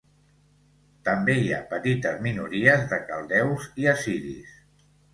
També hi ha petites minories de caldeus i assiris.